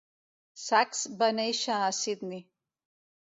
Sacks va nàixer en Sydney.